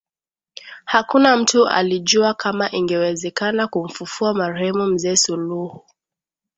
Hakuna mtu alijua kama ingewezekana kumfufua marehemu Mzee Suluhu